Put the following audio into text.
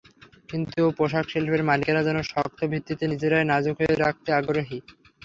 কিন্তু পোশাকশিল্পের মালিকেরা যেন শক্ত ভিত্তিকে নিজেরাই নাজুক করে রাখতে আগ্রহী।